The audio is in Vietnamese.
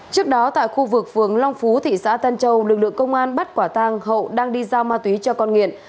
trước đó tại khu vực phường long phú thị xã tân châu lực lượng công an bắt quả tang hậu đang đi giao ma túy cho con nghiện